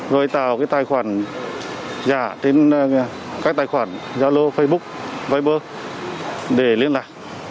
rồi tạo cái tài khoản giả các tài khoản giao lô facebook viber để liên lạc